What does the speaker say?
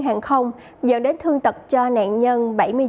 hàng không dẫn đến thương tật cho nạn nhân